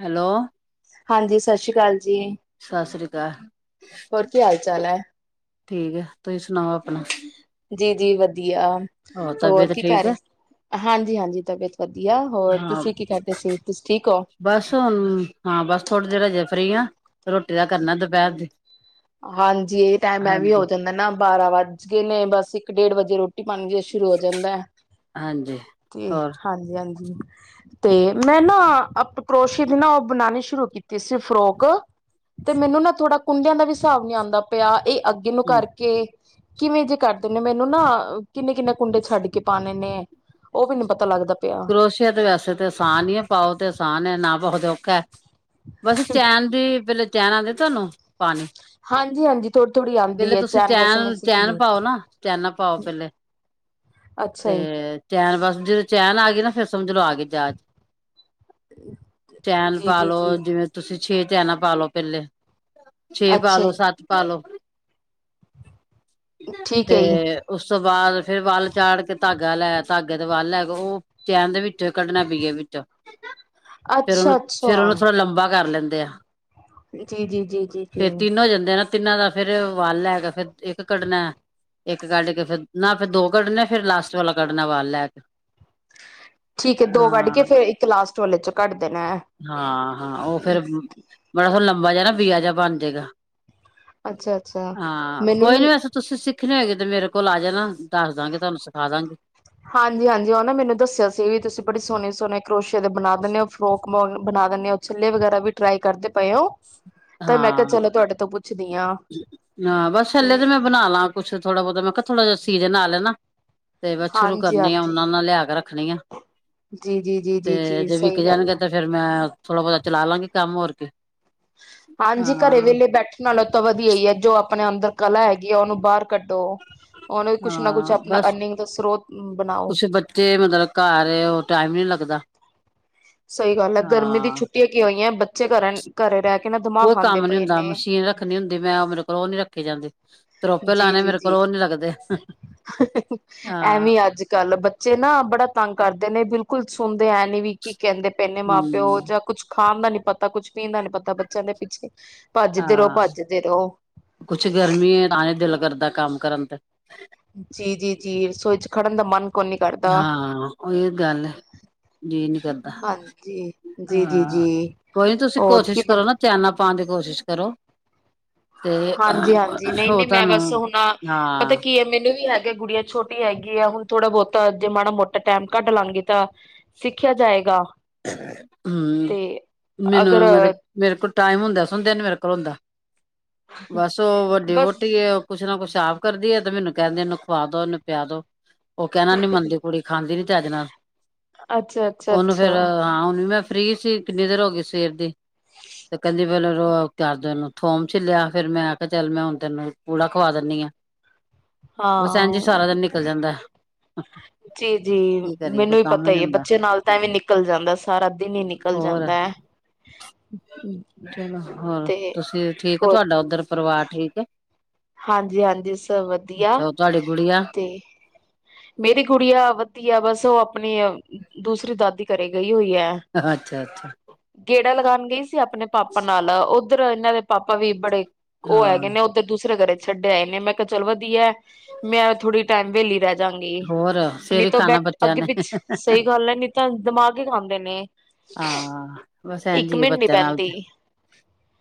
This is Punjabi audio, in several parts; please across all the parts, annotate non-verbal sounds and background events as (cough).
ਹੈਲੋ। ਹਾਂਜੀ, ਸਤਿ ਸ਼੍ਰੀ ਅਕਾਲ ਜੀ। ਸਤਿ ਸ੍ਰੀ ਅਕਾਲ, ਹੋਰ ਕੀ ਹਾਲ ਚਾਲ ਹੈ ਠੀਕ ਹੈ। ਤੁਸੀਂ ਸੁਣਾਓ ਆਪਣਾ ਜੀ ਜੀ ਵਧੀਆ। ਹੋਰ, ਤਬੀਅਤ ਕੀ ਠੀਕ ਕਰ ਹੈ? ਰਹੇ ਹਾਂਜੀ ਹਾਂਜੀ ਤਬੀਅਤ ਵਧੀਆ, ਹੋਰ ਹਾਂ ਤੁਸੀਂ ਕੀ ਕਰਦੇ ਸੀ, ਤੁਸੀਂ ਠੀਕ ਹੋ? ਬਸ ਹੁਣ ਹਾਂ ਬਸ ਥੋੜ੍ਹੀ ਦੇਰ ਹਜੇ ਫਰੀ ਹ, ਰੋਟੀ ਦਾ ਕਰਨਾ ਦੁਪਹਿਰ ਦੀ। ਹਾਂਜੀ ਇਹ ਟਾਈਮ ਐ ਵੀ ਹੋ ਹਾਂਜੀ ਜਾਂਦਾ ਨਾ, ਬਾਰਾਂ ਵੱਜ ਗਏ ਨੇ, ਬਸ ਇੱਕ ਡੇਢ ਵਜੇ ਰੋਟੀ। ਰੋਟੀ ਪਾਣੀ ਜੇ ਸ਼ੁਰੂ ਹੋ ਜਾਂਦਾ ਹੈ ਹਾਂਜੀ ਤੇ, ਹੋਰ ਹਾਂਜੀ ਹਾਂਜੀ ਤੇ ਮੈਂ ਨਾ ਕਰੋਸ਼ੇ ਦੀ ਨਾ ਉਹ ਬਣਾਉਣੀ ਸ਼ੁਰੂ ਕੀਤੀ ਸੀ ਫਰੋਕ, ਤ ਤੇ ਮੈਨੂੰ ਨਾ ਥੋੜਾ ਕੁੰਡਿਆਂ ਦਾ ਵੀ ਹਿਸਾਬ ਨਹੀਂ ਆਉਂਦਾ ਪਿਆ, ਇਹ ਅੱਗੇ ਨੂੰ ਕਰਕੇ ਕਿਵੇਂ ਜੇ ਕਰਦੇ ਨੇ, ਮੈਨੂੰ ਨਾ ਕਿੰਨੇ ਕਿੰਨੇ ਕੁੰਡੇ ਛੱਡ ਕੇ ਪਾਉਣੇ ਨੇ, ਉਹ ਵੀ ਨਹੀਂ ਪਤਾ ਲੱਗਦਾ ਪਿਆ। ਕਰੋਸੀਆ ਤੇ ਵੈਸੇ ਤੇ ਆਸਾਨ ਹੀ ਹੈ, ਪਾਓ ਤੇ ਆਸਾਨ, ਨਾ ਪਾਓ ਤੋਂ ਔਖਾ ਹੈ। ਬਸ ਚੈਨ ਦੀ ਪਹਿਲਾਂ, ਚੈਨ ਆਉਂਦੇ ਤੁਹਾਨੂੰ ਪਾਣੀ ਹਾਂਜੀ ਹਾਂਜੀ ਥੋੜ੍ਹੀ ਥੋੜ੍ਹੀ ਆਉਂਦੀ ਪਹਿਲੇ ਹੈ ਤੁਸੀਂ ਵੈਸੇ ਮੈਂ ਚੈਨ, ਸਿੱਖ ਚੈਨ ਲਈ ਪਾਓ ਨਾ, ਚੈਨਾ ਪਾਓ ਪਹਿਲੇ ਅੱਛਾ ਤੇ ਚੈਨ ਬਸ ਜਦੋਂ ਚੈਨ ਆ ਗਈ ਨਾ, ਫਿਰ ਸਮਝ ਲੋ ਆ ਗ ਜਾਚ। ਚੈਨ ਜੀ ਜੀ ਜੀ ਪਾਲੋ, ਜੀ ਜਿਵੇਂ ਤੁਸੀਂ ਛੇ ਚੈਨਾ ਪਾ ਲੋ ਪਹਿਲੇ ਛੇ ਅੱਛਾ ਪਾਲੋ, ਜੀ ਸੱਤ ਪਾਲੋ ਠੀਕ ਤੇ ਹੈ ਜੀ ਉਸ ਤੋਂ ਬਾਅਦ ਫੇਰ ਵੱਲ ਚਾੜ ਕੇ ਧਾਗਾ ਲੈ, ਧਾਗੇ ਤੇ ਵੱਲ ਲੈ ਕੇ ਉਹ ਚੈਨ ਦੇ ਵਿੱਚੋਂ ਕੱਢਣਾ, ਪੀਏ ਵਿੱਚੋਂ ਫੇਰ ਅੱਛਾ ਉਹਨੂੰ, ਫਿਰ ਉਹਨੂੰ ਅੱਛਾ ਥੋੜਾ ਲੰਬਾ ਕਰ ਲੈਂਦੇ ਆ। ਜੀ ਜੀ ਜੀ ਜੀ ਜੀ ਫੇਰ ਤਿੰਨ ਹੋ ਜਾਂਦੇ ਆ ਨਾ, ਤਿੰਨਾਂ ਦਾ ਫੇਰ ਵਲ ਲੈ ਕੇ ਫੇਰ ਇੱਕ ਕੱਢਨਾ। ਇੱਕ ਕੱਢ ਕੇ, ਫਿਰ ਨਾ ਫਿਰ ਦੋ ਕੱਢਣੇ, ਫੇਰ ਲਾਸਟ ਵਾਲਾ ਕੱਢਣਾ ਵਲ ਲੈ ਕੇ। ਠੀਕ ਹੈ ਦੋ ਕੱਢ ਹਾਂ, ਕੇ ਫੇਰ ਇੱਕ ਲਾਸਟ ਵਾਲੇ ਚੋਂ ਕੱਢ ਦੇਣਾ ਹਾਂ ਹਾਂ ਉਹ ਹੈ ਫੇਰ ਮਲਬ ੳਹ ਲੰਬਾ ਜਿਹਾ ਨਾ, ਬੀਆ ਜਿਹਾ ਬਣ ਜਾੇਗਾ, ਅੱਛਾ ਅੱਛਾ ਹਾਂ ਕੋਈ ਨੀ ਮੈਨੂੰ ਵੈਸੇ ਤੁਸੀਂ ਸਿੱਖਣੇ ਹੋਗੇ ਤੇ ਮੇਰੇ ਕੋਲ ਆ ਜਾਣਾ, ਦੱਸ ਦਾਂਗੇ ਤੁਹਾਨੂੰ ਸਿਖਾ ਦਾਂਗੇ। ਹਾਂਜੀ ਹਾਂਜੀ ਉਹ ਨਾ ਮੈਨੂੰ ਦੱਸਿਆ ਸੀ ਵੀ, ਤੁਸੀਂ ਬੜੇ ਸੋਹਣੇ ਸੋਹਣੇ ਕਰੋਸ਼ੀਆ ਬਣਾ ਦੇਨੇ ਹੋ, ਫਰੋਕ ਬਣਾ ਦੇਨੇ ਹੋ, ਛੱਲੇ ਵਗੈਰਾ ਵੀ ਟਰਾਈ ਕਰਦੇ ਪਏ ਓ, ਤਾਂ ਮੈਂ ਕਿਹਾ ਹਾਂ ਚਲੋ ਤੁਹਾਡੇ ਤੋਂ ਪੁੱਛਦੀ ਹਾਂ। ਹਾਂ ਬਸ ਤੇ ਛਲਾ ਤਾਂ ਮੈਂ ਬਣਾ ਲਾ ਕੁੱਛ, ਥੋੜਾ ਬਹੁਤਾ ਮੈਂ ਕਿਹਾ ਥੋੜਾ ਜਹਾ ਸੀਜਨ ਆ ਲੈ ਣਾ। ਤੇ ਬਸ ਸ਼ੁਰੂ ਕਰਨੀ ਆ, ਉਣਾ ਹਾਂਜੀ-ਹਾਂਜੀ ਉਣਾ ਲਿਆ ਕੇ ਰੱਖਣੀ ਆ। ਜੀ ਜੀ ਜੀ ਜੀ ਜੀ, ਸਹੀ ਗੱਲ ਹੈ। ਫੇਿਰ ਮੈਂ ਥੋੜਾ ਬਹੁਤਾ ਚਲਾ ਲਾਂਗੀ ਕੰਮ, ਹੋਰ ਕੇ। ਹਾਂਜੀ ਘਰੇ ਵੇਲੇ ਬੈਠਣ ਨਾਲੋਂ ਤਾਂ ਵਧੀਆ ਹੀ ਹੈ, ਜੋ ਆਪਣੇ ਅੰਦਰ ਕਲਾ ਹੈਗੀ ਆ ਉਹਨੂੰ ਬਾਹਰ ਕੱਢੋ, ਉਹਨੂੰ ਕੁਛ ਨਾ ਕੁਛ ਹਾਂ ਆਪਣਾ ਬਸ ਅਰਨਿੰਗ ਦਾ ਸਰੋਤ ਬਣਾਓ। ਕੁਛ ਬੱਚੇ ਮਤਲਬ ਘਰ, ਉਹ ਟਾਈਮ ਨੀ ਲੱਗਦਾ। ਸਹੀ ਗੱਲ ਹੈ ਗਰਮੀ ਦੀ ਹਾਂ ਛੁੱਟੀਆਂ ਕੀ ਹੋਈਆਂ, ਬੱਚੇ ਘਰ ਘਰੇ ਰਹਿ ਕੇ ਨਾ ਕੋਈ ਖਾਂਦੇ ਕੰਮ ਨੀ ਪਏ ਹੁੰਦਾ, ਨੇ ਮਸ਼ੀਨ ਰੱਖਣੀ ਹੁੰਦੀ ਮੈਂ, ਉਹ ਮੇਰੇ ਕੋਲ ਉਹ ਨੀ ਰੱਖੇ ਜਾਂਦੀ। ਤੋਪੇ ਲਾਣੇ, ਮੇਰੇ ਜੀ-ਜੀ-ਜੀ ਕੋਲ ਉਹ ਨੀ ਲੱਗਦੇ। ਹਾਂ ਐਵੇਂ ਅੱਜ ਕੱਲ ਬ ਬੱਚੇ ਨਾ ਬੜਾ ਤੰਗ ਕਰਦੇ ਨੇ, ਬਿਲਕੁਲ ਸੁਣਦੇ ਐਂ ਨੀ ਵੀ ਕੀ ਕਹਿੰਦੇ ਪਏ ਨੇ ਮਾਂ ਪਿਓ ਹਮ ਜਾਂ ਕੁਛ ਖਾਣ ਦਾ ਨੀ ਪਤਾ, ਕੁੱਛ ਪੀਣ ਦਾ ਨੀ ਪਤਾ, ਬੱਚਿਆਂ ਦੇ ਪਿੱਛੇ ਭੱਜਦੇ ਰਹੋ, ਹਾਂ ਭੱਜਦੇ ਰਹੋ। ਕੁਛ ਗਰਮੀ ਏ ਨਾ ਏ ਦਿਲ ਕਰਦੈ ਕੰਮ ਕਰਨ ਤੇ ਜੀ ਜੀ ਜੀ ਰਸੋਈ ਚ ਖੜਨ ਦਾ ਮਨ ਕੋਈ ਨੀ ਕਰਦਾ ਹਾਂ ਓਹੀਓ ਗੱਲ ਏ ਜੀ ਨੀ ਕਰਦਾ ਹਾਂਜੀ ਜੀ ਜੀ ਹਾਂ ਜੀ ਕੋਈ ਨੀ ਤੁਸੀਂ ਹੋਰ ਕੀ ਕੋਸ਼ਿਸ਼ ਬਣ ਕਰੋ ਨਾ। (unintelligible) ਪਾਣ ਦੀ ਕੋਸ਼ਿਸ਼ ਕਰੋ। ਤੇ ਹਾਂਜੀ ਹਾਂਜੀ ਨਹੀਂ ਹੋ ਨਹੀਂ ਮੈਂ ਤੁਹਾਨੂੰ ਬਸ ਹੁਣ ਹਾਂ ਪਤਾ ਕੀ ਏ ਮੈਨੂੰ ਵੀ ਹੈਗਾ ਗੁੜੀਆਂ ਛੋਟੀ ਹੈਗੀ ਏ ਹੁਣ ਥੋੜਾ ਬਹੁਤਾ ਜੇ ਮਾੜਾ ਮੋਟਾ ਟੈਮ ਕੱਢ ਲਾਂਗੀ ਤਾਂ ਸਿੱਖਿਆ ਜਾਏਗਾ। ਹਮ ਤੇ ਮੈਨੂੰ ਅਗਰ ਮਤਲਬ ਮੇਰੇ ਕੋਲ ਟਾਈਮ ਹੁੰਦਿਆਂ ਸੁਣਦਿਆਂ ਨੀ ਮੇਰੇ ਕੋਲ ਹੁੰਦਾ। ਬਸ ਉਹ ਵੱਡੀ ਬਸ ਵਹੁਟੀ ਏ ਕੁਛ ਨਾ ਕੁਛ ਆਪ ਕਰਦੀ ਏ ਤੇ ਮੈਨੂੰ ਕਹਿੰਦੀ ਇਹਨੂੰ ਖਵਾ ਦੋ ਇਹਨੂੰ ਪਿਆ ਦੋ। ਉਹ ਕਹਿਣਾ ਨੀ ਮੰਨਦੀ ਕੁੜੀ ਖਾਂਦੀ ਨੀ ਚਜ ਨਾਲ ਅੱਛਾ ਅੱਛਾ ਉਹਨੂੰ ਫੇਰ ਅੱਛਾ ਹਾਂ ਹੁਣ ਵੀ ਮੈਂ ਫ੍ਰੀ ਸੀ ਕਿੰਨੀ ਦੇਰ ਹੋ ਗਈ ਸਵੇਰ ਦੀ। ਤੇ ਕਹਿੰਦੀ ਫੇਰ ਕਰਦੇ ਨੂੰ ਥੋਮ ਛਿੱਲਿਆ ਫੇਰ ਮੈਂ ਕਿਹਾ ਚੱਲ ਮੈਂ ਹੁਣ ਤੈਨੂੰ ਪੂੜਾ ਖਵਾ ਦਿੰਨੀ ਆਂ। ਹ। (unintelligible) (inaudible) ਬਸ ਐਂਜੀ ਸਾਰਾ ਦਿਨ ਨਿਕਲ ਜਾਂਦੈ ਜੀ ਜੀ ਮੈਨੂੰ ਵੀ ਕੰਮ ਪਤਾ ਨੀ ਹੀ ਏ ਹੁੰਦਾ ਬੱਚੇ ਨਾਲ ਤਾਂ ਐਵੇਂ ਨਿਕਲ ਜਾਂਦੈ ਸਾਰਾ ਦਿਨ ਹੀ ਨਿਕਲ ਜਾਂਦੈ ਚ ਹੋਰ ਤੇ ਤੁਸੀਂ ਠੀਕ ਹੋ ਹੋਰ ਤੁਹਾਡਾ ਉੱਧਰ ਪਰਿਵਾਰ ਠੀਕ ਹੈ। ਹਾਂਜੀ ਹਾਂਜੀ ਸਭ ਵਧੀਆ ਅੱਛਾ ਉਹ ਤੁਹਾਡੀ ਗੁੜੀਆ ਤੇ ਮੇਰੀ ਕੁੜੀ ਆ ਵਧੀਆ ਬਸ ਉਹ ਆਪਣੀ ਦੂਸਰੀ ਦਾਦੀ ਘਰੇ ਗਈ ਹੋਈ ਹੈ। ਅੱਛਾ ਅੱਛਾ। ਗੇੜਾ ਲਗਾਣ ਗਈ ਸੀ ਆਪਣੇ ਪਾਪਾ ਨਾਲ ਉੱਧਰ ਇਹਨਾਂ ਦੇ ਪਾਪਾ ਵੀ ਬੜੇ ਉਹ ਹਾਂ ਹੈਗੇ ਨੇ ਉਹ ਤੇ ਦੂਸਰੇ ਘਰੇ ਛੱਡੇ ਆਏ ਨੇ ਮੈਂ ਕਿਹਾ ਚੱਲ ਵਧੀਐ ਮੈਂ ਥੋੜ੍ਹੀ ਟਾਈਮ ਵੇਹਲੀ ਬਹਿ ਜਾਂਗੀ ਹੋਰ ਨਹੀਂ ਸਵੇਰੇ ਤੋ ਖਾਣਾ ਬੈਠ ਬੱਚਿਆਂ ਅੱਗੇ ਨੇ ਪਿੱਛ ਸਹੀ ਗੱਲ ਹੈ ਨਹੀ ਤਾਂ ਦਿਮਾਗ ਹੀ ਖਾਂਦੇ ਨੇ। ਆਂ ਬਸ ਇੱਕ ਐਂਜੀ ਏ ਮਿੰਟ ਨੀ ਬੱਚਿਆਂ ਨਾਲ ਪੈਂਦੀ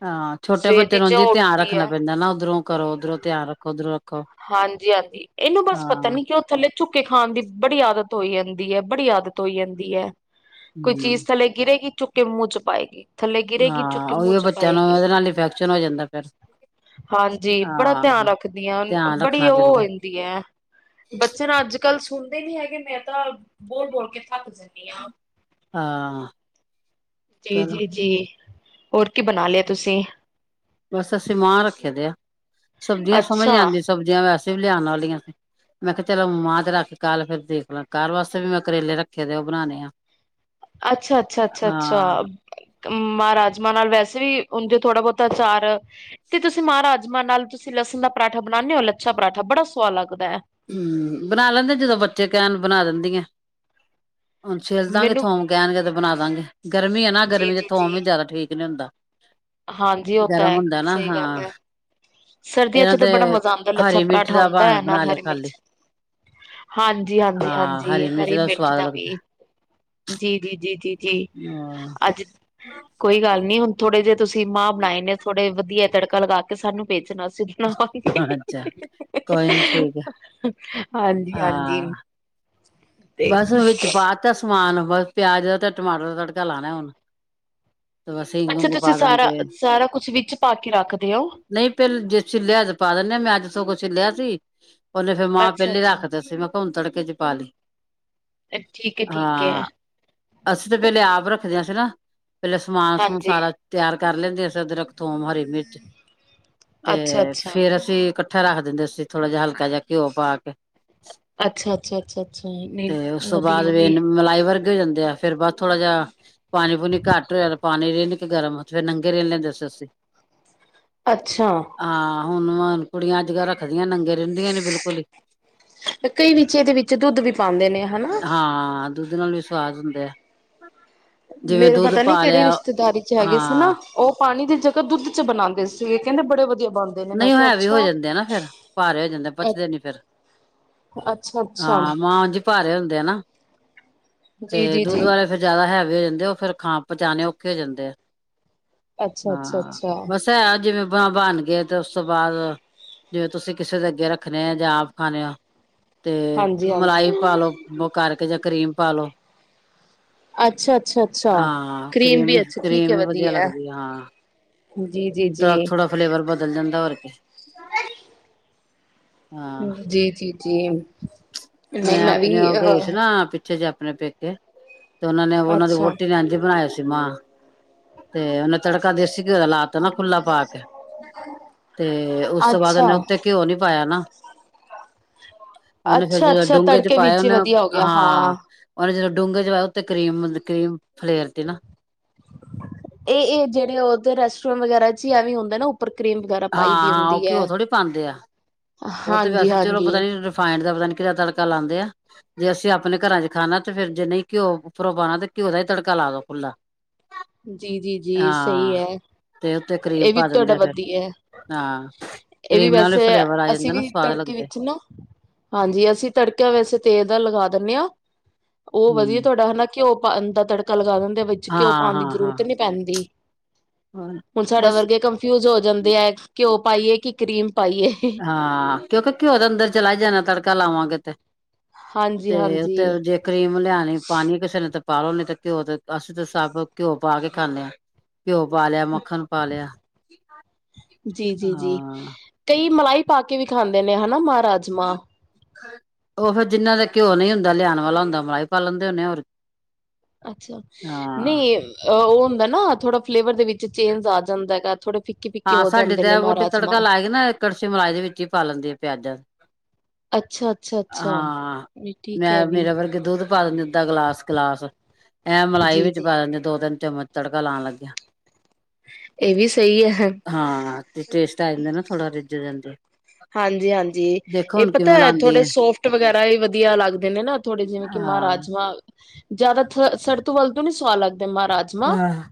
ਹਾਂ ਛੋਟੇ ਸਵੇਰ ਦੀ ਬੱਚੇ ਨੂੰ ਜੋ ਓੰਝੀ ਧਿਆਨ ਉੱਠਦੀ ਰੱਖਣਾ ਹੈ ਪੈਂਦਾ ਨਾ ਉੱਧਰੋਂ ਕਰੋ ਉੱਧਰੋਂ ਧਿਆਨ ਰੱਖੋ ਉੱਧਰੋਂ ਰੱਖੋ। ਹਾਂਜੀ ਹਾਂਜੀ ਇਹਨੂੰ ਬਸ ਪਤਾ ਹਾਂ ਨੀ ਕਿਉਂ ਥੱਲੇ ਝੁੱਕ ਕੇ ਖਾਣ ਦੀ ਬੜੀ ਆਦਤ ਹੋ ਜਾਂਦੀ ਐ ਬੜੀ ਆਦਤ ਹੋ ਜਾਂਦੀ ਐ ਕੋਈ ਹਮ ਚੀਜ਼ ਥੱਲੇ ਗਿਰੇਗੀ ਚੁੱਕ ਕੇ ਮੂੰਹ ਚ ਪਾਏਗੀ। ਥੱਲੇ ਗਿਰੇਗੀ ਚੁੱਕ ਹਾਂ ਕੇ ਮੂੰਹ ਉਹੀ ਚ ਬੱਚਿਆਂ ਪਾਏ ਨੂੰ ਗੀ ਉਹਦੇ ਨਾਲ ਇਨਫੈਕਸ਼ਨ ਹੋ ਜਾਂਦਾ ਫਿਰ ਹਾਂਜੀ ਬੜਾ ਹਾਂ ਧਿਆਨ ਰੱਖਦੀ ਆਂ ਧਿਆਨ ਬੜੀ ਰੱਖਣਾ ਉਹ ਪੈਂਦਾ ਵੇ ਹੁੰਦੀ ਹੈ ਬੱਚੇ ਨਾ ਅੱਜ ਕੱਲ੍ਹ ਸੋਨਦੇ ਨੀ ਹੈਗੇ ਮੈਂ ਤਾਂ ਬੋਲ ਬੋਲ ਕੇ ਥੱਕ ਜਾ ਹਾਂ। ਜੀ ਚਲੋ ਜੀ ਜੀ ਹੋਰ ਕੀ ਬਣਾ ਲਿਆ ਤੁਸੀਂ। ਬਸ ਅਸੀਂ ਮਾਂਹ ਰੱਖੇ ਦੇ ਆ ਸਬਜ਼ੀਆਂ ਸਮਝ ਨ ਅੱਛਾ ਆਂਦੀ ਸਬਜ਼ੀਆਂ ਵੈਸੇ ਵੀ ਲਿਆਣ ਵਾਲੀਆਂ ਸੀ। ਮੈਂ ਕਿਹਾ ਚਲੋ ਮਾਂ ਤੇ ਰੱਖ ਕੱਲ ਫੇਰ ਦੇਖ ਲਾ ਕੱਲ ਵਾਸਤੇ ਵੀ ਮੈਂ ਕਰੇਲੇ ਰੱਖੇ ਦੇ ਉਹ ਬਣਾਣੇ ਆ। ਅੱਛਾ ਅੱਛਾ ਅੱਛਾ ਅੱਛਾ। ਹਾਂ ਮਾਂਰਾਜਮਾਂ ਨਾਲ ਵੈਸੇ ਵੀ ਉਂਝ ਥੋੜਾ ਬਹੁਤਾਚਾਰ ਤੇ ਤੁਸੀਂ ਮਾਂਰਾਜਮਾਂ ਨਾਲ ਤੁਸੀਂ ਲਸਣ ਦਾ ਪਰਾਠਾ ਬਣਾਂਦੇ ਹੋ ਲੱਛਾ ਪਰਾਠਾ ਬੜਾ ਸੁਵਾਦ ਲੱਗਦੈ ਹਮ ਬਣਾ ਲੈਂਦੇ ਜਦੋਂ ਬੱਚੇ ਕਹਿਣ ਬਣਾ ਦਿੰਦੀ ਆ (unintelligible) (inaudible) ਹੁਣ ਛਿੱਲਦਾਂਗੇ ਮੈਨੂੰ ਥੋਮ ਕਹਿਣਗੇ ਤੇ ਬਣਾ ਦਵਾਂਗੇ ਗਰਮੀ ਆ ਨਾ ਜੀ ਗਰਮੀ ਚ ਜੀ ਥੋਮ ਜੀ ਵੀ ਜ਼ਿਆਦਾ ਠੀਕ ਨੀ ਹੁੰਦਾ (unintelligible) (inaudible) ਹਾਂਜੀ ਉਹ ਤਾਂ ਗਰਮ ਹੈ ਹੁੰਦਾ ਨਾ ਸਹੀ ਹਾਂ ਗੱਲ ਹੈ ਸਰਦੀਆਂ ਚ ਇਹਨਾਂ ਤਾਂ ਤੇ ਬੜਾ ਮਜ਼ਾ ਆਉਦਾ ਲੱਛਾ ਹਰੀ ਮਿਰਚ ਪਰਾਂਠਾ ਦਾ ਹੁੰਦਾ ਭਾਵੇਂ ਹੈ ਨਾਲ ਬਣਾ ਲਿਆ ਹਰੇ- ਖਾਲੀ ਮਿਰਚ ਹਾਂਜੀ- ਹਾਂਜੀ ਹਾਂਜੀ ਹਰੀ ਮਿਰਚ ਦਾ ਵੀ ਜੀ- ਜੀ ਜੀ- ਜੀ ਜੀ, ਅੱਜ ਕੋਈ ਗੱਲ ਨੀ ਹੁਣ ਥੋੜੇ ਜਹੇ ਮਾਂ ਬਣਾਏ ਨੇ ਥੋੜੇ ਵਧੀਆ ਤੜਕਾ ਲਗਾ ਕੇ ਸਾਨੂੰ ਵੇਚਣਾ ਸੀ, ਘਿਉਂ ਹਾਂ ਪਾਕੇ। ਅੱਛਾ ਕੋਈ ਨੀ ਠੀਕ ਆ ਹਾਂਜੀ- ਹਾਂਜੀ। ਹਾਂ। ਤੇ ਬਸ ਵਿੱਚ ਪਾਤਾ ਸਮਾਨ ਬਸ ਪਿਆਜ ਦਾ ਤੇ ਟਮਾਟਰ ਦਾ ਤੜਕਾ ਲਾਣਾ ਹੁਣ। ਤੇ ਬਸ ਹਿੰਗ ਅੱਛਾ ਹੁੰਗ ਤੁਸੀਂ ਪਾ ਦਾਂਗੇ ਸਾਰਾ- ਸਾਰਾ ਕੁਛ ਵਿੱਚ ਪਾ ਕੇ ਰੱਖਦੇ ਹੋ? ਨਹੀਂ ਫੇਰ ਜੇ ਛਿੱਲਿਆ ਤੇ ਪਾ ਦਿੰਨੇ ਆ ਮੈਂ ਅੱਜ ਸਗੋਂ ਛਲਿਆ ਸੀ। ਉਹਨੇ ਫੇਰ ਮਾਂ ਅੱਛਾ ਪਹਿਲੀ ਰੱਖ ਅੱਛਾ ਦਿੱ ਸੀ ਮੈਂ ਕਿਹਾ ਹੁਣ ਤੜਕੇ ਚ ਪਾ ਲਈ। ਠੀਕ ਹੈ- ਠੀਕ ਹੈ। ਹਾਂ ਅਸੀਂ ਤਾਂ ਪੇਲੇ ਆਪ ਰੱਖਦੇ ਹਾ ਸੀ ਨਾ ਪਹਿਲੇ ਸਮਾਨ- ਸਮੂਨ ਹਾਂਜੀ ਸਾਰਾ। ਤਿਆਰ ਕਰ ਲੈਂਦੇ ਅਸੀਂ ਅਦਰਕ ਤੋਂ ਹਰੀ ਮਿਰਚ ਤੇ ਅੱਛਾ ਅੱਛਾ ਫੇਰ ਅਸੀਂ ਪੱਠ ਰੱਖਿੰਦੇ ਸੀ ਥੋੜਾ ਜਿਹਾ ਹਲਕਾ ਜਿਹਾ ਘਿਓ ਪਾ ਕੇ। ਅੱਛਾ- ਅੱਛਾ, ਅੱਛਾ। ਸ (unintelligible) ਤੇ ਉਸ ਤੋਂ ਬਾਅਦ ਵੇ ਮਲਾਈ ਵਰਗ ਹੋ ਜਾਂਦੇ ਆ ਫੇਰ ਬਾਅਦ ਥੋੜਾ ਜਾਿਹਾ। ਪਾਣੀ ਪੂਣੀ ਘੱਟ ਹੋਇਆ ਪਾਣੀ ਰਿਨ ਕਿ ਗਰਮ ਫੇਰ ਨੰਗੇ ਰਹਿਂ ਲੈਂਦੇ ਸੀ ਅਸੀਂ। ਅੱਛਾ। ਹਾਂ ਹੁਣ ਕੁੜੀਆਂ ਅੱਜ ਕੱਲ ਰੱਖਦੀਆਂ ਨੰਗੇ ਰਹਿੰਦੀਆਂ ਨੇ ਬਿਲਕੁਲ ਹੀ। ਤੇ ਕਈ ਵਿਚ ਇਹਦੇ ਵਿੱਚ ਦੁੱਧ ਵੀ ਪਾਉਂਦੇ ਨੇ ਹਨਾ। ਹਾਂ ਦੁੱਧ ਨਾਲ ਵੀ ਸੁਵਾਦ ਹੁੰਦਾ ਆ। ਜਿਵੇਂ ਮੇਰਾ ਦੁੱਧ ਪਤਾ ਨੀ ਪਾ ਕਿਹੜੀ ਲਿਆ ਰਿਸ਼ਤੇਦਾਰੀ ਚ ਹੈਗੇ ਸੀ ਨਾ। ਹਾਂ ਤੇ ਉਹ ਪਾਣੀ ਦੀ ਜਗਾ ਦੁੱਧ ਚ ਬਣਾਉਂਦੇ ਸੀ, ਇਹ ਕਹਿੰਦੇ ਬੜੇ ਬਣਦੇ ਨੇ ਮੈਂ ਨਹੀਂ ਉਹ ਕਿਹਾ ਹੈਵੀ ਹੋ ਅੱਛਾ ਜਾਂਦੇ ਆ ਨਾ ਫੇਰ ਭਾਰੇ ਹੋ ਜਾਂਦੇ ਅ ਪਚਦੇ ਨੀ ਫੇਰ ਅੱਛਾ- ਅੱਛਾ। ਹਾਂ ਮਾਂਝ ਭਾਰੇ ਹੁੰਦੇ ਆ ਨਾ, ਜੀ ਤੇ ਜੀ ਦੁੱਧੁ ਜੀ ਵਾਲੇ ਫੇਰ। ਜ਼ਿਆਦਾ ਹੈਵੇ ਹੋ ਜਾਂਦੇ ਆ ਉਹ ਫੇਰ ਖਾਂ ਪਚਾਣੇ ਔਖੇ ਹੋ ਜਾਂਦੇ ਆ, ਅੱਛਾ ਅੱਛਾ ਹਾਂ ਅੱਛਾ ਬਸ। ਤੇ ਜਿਵੇਂ ਬਾਂ ਬਾਨ। ਤੇ ਉਸ ਤੋਂ ਬਾਅਦ ਜਿਵੇਂ ਤੁਸੀਂ ਕਿਸੇ ਦੇ ਅੱਗੇ ਰੱਖਣੇ ਆ ਜਾਂ ਆਪ ਖਾਣੇ ਹਾ। ਤੇ ਹਾਂਜੀ ਮਲਾਈ ਹਾਂਜੀ ਪਾਲੋ ਬ ਕਰਕੇ ਜਾਂ ਕਰੀਮ ਪਾਲੋ। ਅੱਛਾ- ਅੱਛਾ, ਅੱਛਾ ਕਰੀਮ ਵੀ ਅੱਛਾ ਠੀਕ ਕਰੀਮ ਹੈ ਵੀ ਵਧੀਆ ਐ। ਲੱਗਦੀ ਆ। ਜੀ- ਜੀ, ਜੀ। ਹਾਂ ਥੋੜਾ ਫਲੇਵਰ ਬਦਲ ਦਿੰਦਾ ਹੋਰ ਕੀ। ਜੀ- ਜੀ, ਜੀ। ਨਹੀਂ ਮੈਂ ਵੀ ਆਪਣੇ ਉਹ ਗਏ ਸੀ ਅ ਨਾ। ਪਿੱਛੇ ਜਿੇ ਆਪਣੇ ਪੇਕੇ ਤੇ ਉਹਨਾ ਨੇ ਉਹਨਾਂ ਦੀ ਅੱਛਾ ਵੋਟੀ ਨੇ ਏਝ ਬਣਾਏ ਸੀ ਮਾਂ। ਤੇ ਉਹਨੇ ਤੜਕਾ ਦੇਸੀ ਘਿਓ ਦਾ ਲਾਤਾ ਨਾ ਖੁੱਲਾ ਪਾ ਕੇ। ਤੇ ਉਸ ਤੋਂ ਬਾਅਦ ਅੱਛਾ ਉਹਨੇ ਉੱਤੇ ਘਿਓ ਨੀ ਪਾਇਆ ਨਾ। ਉਹਨੇ ਫੇਰ ਅੱਛਾ ਜਦੋਂ ਅੱਛਾ ਡੂੰਘੇ ਚ ਤੜਕੇ ਪਾਇਏਆ ਵਿੱਚ ਹੀ ਉਹਨੇ ਵਧੀਆ ਹੋ ਗਿਆ ਹਾਂ। ਉਹਨੇ ਜਦੋਂ ਡੂੰਘੇ ਜਵਾਇਆ ਉਤੇ ਕਰ੍ਰੀਮਬ ਕਰੀਮ ਫਲੇਰਤੀ ਨਾ। ਇਹ ਜਿਹੜੇ ਉਧਰ ਰੈਸਟੋਰੈਂਟ ਵਗੈਰਾ ਚ ਹੀ ਵੀ ਹੁੰਦੇ ਨਾ ਉਪਰ ਕਰ੍ਰੀਮ। ਹਾਂ- ਹਾਂ ਉਹ ਘਿਓ ਥੋੜੀ ਪਾਉਂਦੇ ਆ। ਉਹ ਤੇ ਹਾਂਜੀ ਵੈਸੇ ਚਲੋ ਹਾਂਜੀ ਪਤਾ ਨੀ। ਰਿਫਾਇੰਡ ਦਾ ਪਤਾ ਨੀ ਕਿੜਾ ਤੜਕਾ ਲਾਂਦੇ ਆ। ਜੇ ਅਸੀਂ ਆਪਣੇ ਘਰਾਂ ਚ ਖਾਣਾ ਤੇ, ਫੇਰ ਜੇ ਨਹੀਂ ਘਿਓ ਉੱਪਰੋਂ ਪਾਉਣਾ ਤੇ ਘਿਓ ਦਾ ਹੀ ਤੜਕਾ ਲਾ ਦੋ ਖੁੱਲਾ। ਜੀ ਜੀ ਜੀ ਹਾਂ ਸਹੀ ਹੈ। ਤੇ ਉੱਤੇ ਕਰੀਮ ਇਹ ਵੀ ਪਾ ਤੁਹਾਡਾ ਦਿੰਦੇ ਨੇ। ਵਧੀਆ ਹੈ ਹਾਂ, ਕਰੀਮ ਨਾਲ ਵੀ ਫਲੇਵਰ ਆ। ਜਾਂਦਾ ਨਾ ਚਲੇ, ਸਵਾਦ ਤੜਕੇ ਲੱਗਦਾ ਵਿੱਚ ਨਾ। ਹਾਂਜੀ। ਅਸੀਂ ਤੜਕਿਆ ਵੈਸੇ ਤੇਲ ਦਾ ਲਗਾ ਦਿੰਦੇ ਹਾਂ। ਉਹ ਵਧੀਆ ਹੂੰ ਤੁਹਾਡਾ ਹਨਾ। ਘਿਓ ਪਾਂਦਾ ਤੜਕਾ ਲਗਾ ਦਿੰਦੇ ਨੇ, ਵਿੱਚ ਹਾਂ- ਹਾਂ- ਹਾਂ ਕਹਿੰਦੀ। ਹੁਣ ਸਾਡੇ ਬਸ ਵਰਗੇ ਕੱ ਫਿਊਜ ਹੋ ਜਾਂਦੇ ਹੈ। ਘਿਓ ਪਾਈਏ, ਕਿ ਕਰੀਮ ਪਾਈਏ। ਹਾਂ। ਕਿਉਂਕਿ ਘਿਓ ਦਾ ਅੰਦਰ ਚਲਾ ਹੀ ਜਾਣਾ ਤੜਕਾ ਲਾਵਾਂਗੇ ਤੇ ਹਾਂਜੀ- ਤੇ ਉਤੇ ਹਾਂਜੀ। ਜੇ ਕਰੀਮ ਲਿਆਣੀ ਪਾਣੀ। ਕਿਸੇ ਨੇ ਤਾਂ ਪਾਲੋ ਨੀ ਤੇ, ਘਿਓ ਤੇ ਅਸੀਂ ਤਾਂ ਸਭ ਘਿਓ ਪਾ ਕੇ ਖਾਂਦੇ ਹਾਂ। ਘਿਓ ਪਾ ਲਿਆ। ਮੱਖਣ ਪਾ ਲਿਆ। ਜੀ- ਜੀ- ਜੀ, ਹਾਂ ਕਈ ਮਲਾਈ ਪਾ ਕੇ ਵੀ ਖਾਂਦੇ ਨੇ ਹਨਾ, ਮਾਹ ਰਾਜਮਾਂ। ਉਹ ਫਿਰ ਜਿੰਹਨਾਂ ਦਾ ਘਿਓ ਨਹੀਂ ਹੁੰਦਾ। ਲਿਆਉਣ ਵਾਲਾ ਹੁੰਦਾ, ਮਲਾਹੀ ਪਾ ਲੈਣਦੇ ਹੋਣੇ ਹੋਰ ਅੱਛਾ। ਹਾਂ ਨਹੀਂ, ਉਹ ਹੁੰਦਾ ਨਾ ਥੋੜਾ ਫਲੇਵਰ ਦੇ ਵਿੱਚ ਚੇਂਜ ਆ ਜਾਂਦਾ ਹੈਗਾ। ਥੋੜੇ ਫਿੱਕੇ- ਫਿਕੇ ਹੋ ਜਾਂਦੇ ਨੇ ਮਹਾਰਾਜਮਾਂ। ਕੜਸੀੇ ਮਲਾਈ ਜੀ ਦੇ ਵਿੱਚ ਹੀ ਪਾ ਲੈਂਦੇ ਆ। ਪਿਆਜ਼ਾਂ ਅੱਛਾ- ਅੱਛਾ। ਹਾਂ। ਮੈਂ, ਮੇਰਾ ਵਰਗੇ ਦੁੱਧ ਪਾ ਦਿੰਦੇ ਅੱਧਾ ਗਲਾਸ- ਗਿਲਾਸ। ਇਹ ਮਲਾਈ ਵਿੱਚ ਜੀ-ਜੀ ਪਾ ਦਿੰਦੇ, ਦੋ-ਤਿੰਨ ਚਮਚ ਤੜਕਾ ਲਾਉਣ ਲੱਗਿਆ। ਇਹ ਵੀ ਸਹੀ ਹੈ। ਹਾਂ। ਤੇ ਟੇਸਟ ਆ ਜਾਂਦੇ ਨਾ ਥੋੜਾ ਰਿੱਜੜ ਜਾਂਦੀ ਐ। ਹਾਂਜੀ- ਹਾਂਜੀ ਇਹ ਪਤਾ ਹੈ। ਲਾਉਂਦੇ ਥੋੜੇ ਆ ਸੋਫਟ ਵਗੈਰਾ ਹੀ ਵਧੀਆ ਲੱਗਦੇ ਨੇ ਨਾ। ਥੋੜੇ ਜਿਵੇਂ, ਕਿ ਹਾਂ ਮਹਾਰਾਜਮਾ, ਜਿਆਦਾ ਸਰ-ਸਰਤ ਵੱਲ ਤੋਂ ਨੀ ਸਆਦ ਲੱਗਦੇ ਮਹਾਰਾਜ। ਹਾਂ।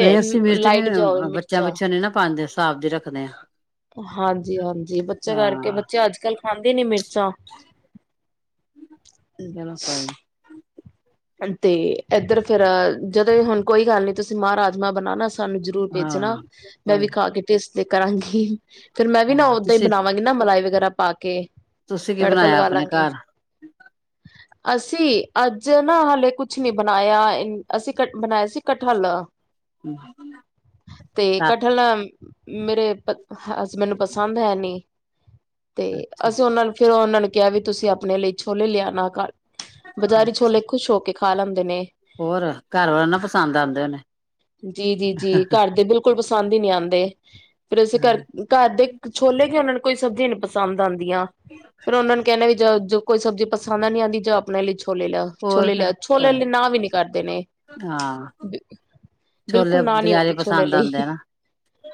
ਨਹੀਂ, ਅਸੀਂ ਮਿਰਚ ਨੀ, ਲਾਈਟ ਜਾ ਹੋਵੇ ਮਿਰਚਾਂ ਬੱਚਿਆਂ-ਬੱਚਿਆਂ ਨਾ ਪਾਉਂਦੇ, ਹਿਸਾਬ ਦੀ ਰੱਖਦੇ ਹਾਂ। ਹਾਂਜੀ- ਹਾਂਜੀ। ਬੱਚਾ ਕਰਕੇ, ਹਾਂ ਬੱਚੇ ਅੱਜ ਕੱਲ੍ਹ ਖਾਂਦੇ ਨੀ ਮਿਰਚਾਂ। ਹੂੰ ਚਲੋ ਕੋਈ ਨੀ ਤੇ ਇੱਧਰ ਫੇਰ, ਜਦੋਂ ਹੁਣ ਕੋਈ ਗੱਲ ਨਹੀਂ, ਤੁਸੀਂ ਮਾਹ ਰਾਜਮਾਂ ਬਣਾਉਣਾ ਸਾਨੂੰ ਜ਼ਰੂਰ ਬੇਜਣਾ। ਹਾਂ ਮੈਂ ਵੀ ਕੋਈ ਖਾ ਕੇ ਟੇਸਟ ਤੇ ਕਰਾਂਗੀ। ਫੇਰ ਮੈਂ ਵੀ ਨਾ ਹਾਂ ਓਦਾਂ ਹੀ ਤੁਸੀਂ ਬਣਾਵਾਂਗੀ। ਹਨਾ ਮਲਾਈ ਵਗੈਰਾ ਪਾ ਕੇ, ਤੁਸੀਂ ਕੀ ਤੜਕਾ ਬਣਾਇਆ ਲਗਾ ਆਪਣੇ ਲਾਂਗੀ। ਘਰ ਅਸੀਂ, ਅੱਜ ਨਾ। ਹਾਲੇ ਕੁਛ ਨੀ ਬਣਾਇਆ, ਅਸੀਂ ਕ ਬਣਾਇਆ ਸੀ ਕਠਹਲ। ਤੇ ਕਠਲ ਮੇਰੇ ਪ- ਹਸਬੈਂਡ ਨੂੰ ਪਸੰਦ ਹੈ ਨੀ, ਤੇ ਅਸੀਂ ਉਹਨੂੰ ਫਿਰ ਉਹਨਾਂ ਨੂੰ ਕਿਹਾ ਵੀ ਤੁਸੀਂਆਪਣੇ ਲਈ ਛੋਲੇ ਲਿਆਣਾ ਘਰ, ਬਜ਼ਾਰੀ ਛੋਲੇ ਖੁਸ਼ ਹੋ ਕੇ ਖਾ ਲੈਂਦੇ ਨੇ। ਹੋਰ, ਘਰ ਵਾਲੇ ਨਾ ਪਸੰਦ ਆਉਂਦੇ ਹੋਣੇ ਨੇ। ਜੀ- ਜੀ -ਜੀ। ਘਰ ਦੇ ਬਿਲਕੁਲ ਪਸੰਦ ਹੀ ਨਹੀਂ ਆਉਂਦੇ। ਫੇਰ ਅਸੀਂ ਘਰ ਘਰ ਦੇ ਛੋਲੇ ਕੇ ਉਹਨਾਂ ਨੂੰ ਕੋਈ ਸਬਜ਼ੀ ਨੀ ਪਸੰਦ ਆਉਂਦੀਆਂ। ਫੇਰ ਉਹਨਾਂ ਨੂੰ ਕਹਿੰਦਾ ਵੀ ਜਾਓ ਜੌ ਕੋਈ ਸਬਜ਼ੀ ਪਸੰਦ ਨੀ ਆਂਦੀ, ਜਾਂ ਆਪਣੇ ਲਈ ਛੋਲੇ ਲੈ ਆਓ। ਹੋਰ ਛੋਲੇ ਫਿਰ ਲਿਆ। ਛੋਲੇ ਲਈ ਨਾ ਵੀ ਨੀ ਕਰਦੇ ਨੇ, ਹਾਂ ਛੋਲੇ ਬਿਲਕੁਲ ਨਾ ਨੀ ਬਜ਼ਾਰੇ ਹੁੰਦੀ ਛੋਲੇ ਪਸੰਦ ਲਈ, ਆਉਂਦੇ ਨਾ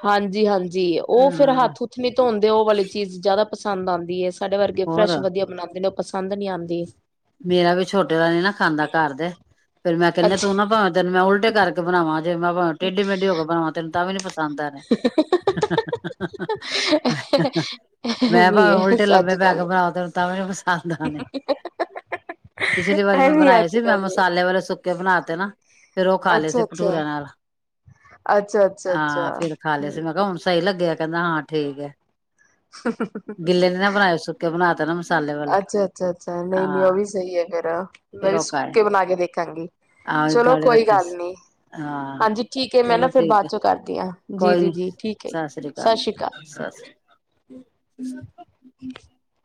ਹਾਂਜੀ- ਹਾਂਜੀ। ਉਹ ਫਿਰ ਹਾਂ ਹੱਥ ਕੁੱਛ ਨੀ ਧੋਣਦੇ, ਉਹ ਵਾਲੀ ਚੀਜ਼ ਜ਼ਿਆਦਾ ਪਸੰਦ ਆਉਂਦੀ ਹੈ। ਸਾਡੇ ਵਰਗੇ ਹੋਰ ਫਰੈਸ਼ ਵਧੀਆ ਬਣਾਉਂਦੇ ਨੇ ਪਸੰਦ ਨਹੀਂ ਆਉਂਦੀ। ਮੇਰਾ ਵੀ ਛੋਟੇ ਦਾ ਨੀ ਨਾ ਖਾਂਦਾ ਘਰ ਦੇ, ਫੇਰ ਮੈਂ ਕਹਿੰਦੇ ਤੂੰ ਅੱਛਾ ਨਾ ਭਾਵੇਂ ਤੈਨੂੰ ਮੈਂ ਉਲਟੇ ਕਰਕੇ ਬਣਾਵਾਂ, ਜੇ ਮੈਂ ਟੇਢੀ-ਮੇਢੀ ਹੋ ਕੇ ਬਣਾਵਾ, ਤੈਨੂੰ ਤਾਂ ਵੀ ਨ ਪਸੰਦ ਆ ਨੇ। (unintelligible) ਮੈਂ ਐਵੀ ਭਾਵੇ ਐ ਉਲਟੇ ਲੰਮੇ ਪੈ ਕੇ ਅੱਜ-ਕੱਲ ਬਣਾਓ, ਤੇਨੂੰ ਤਾਂ ਵੀ ਪਸੰਦ ਆਉਣੇ। (inaudible) ਪਿਛਲੀ ਵਾਰੀ ਮੈਂ ਐਵੀ ਬਣਾਏ ਸੀ, ਮੈਂ ਅੱਜ-ਕੱਲ ਦੇ ਮਸਾਲੇ ਵਾਲੇ ਸੁੱਕੇ ਬਣਾ ਤੇ ਨਾ ਫੇਰ ਉਹ ਖਾ ਲਏ ਸੀ ਅੱਛਾ-ਅੱਛਾ, ਭਟੂਰਾਂ ਨਾਲ, ਹਾਂ ਅੱਛਾ-ਅੱਛਾ-ਅੱਛਾ ਫੇਰ ਖਾ ਲਏ ਸੀ, ਮੈਂ ਕਿਹਾ ਹੁਣ ਸਹੀਂ ਲੱਗਿਆ, ਕਹਿੰਦਾ ਹਾਂ ਠੀਕ ਹੈ। ਗਿੱਲੇ ਨੀ ਨਾ ਬਣਾਏ, ਸੁੱਕੇ ਬਣਾ ਤੇ ਨਾ ਮਸਾਲੇ ਵਾਲੇ ਅੱਛਾ-ਅੱਛਾ, ਨਹੀਂ-ਨਹੀਂ, ਉਹ ਹਾਂ ਵੀ ਸਹੀ ਹੈ ਤੇਰਾ, ਮੈਂ ਫੇਰ ਵੀ ਉਹ ਖਾਏ ਸੁੱਕੇ ਬਣਾ ਕੇ ਦੇਖਾਂਗੀ। ਆਹੋ ਚਲੋ ਗਾੜੇ ਕੋਈ ਰੱਖੇ ਗੱਲ ਸੀ ਨੀ ਹਾਂ ਹਾਂਜੀ ਠੀਕ ਹੈ ਮੈਂ ਨਾ ਚਲੋ ਫਿਰ ਠੀਕ ਹੈ। ਬਾਅਦ ਚੋਂ ਕਰਦੀ ਹਾਂ, ਜੀ ਜੀ ਜੀ, ਠੀਕ ਹੈ ਜੀ ਸਤਿ ਸ਼੍ਰੀ ਅਕਾਲ। (unintelligible) ਸਸਰੀ, (inaudible)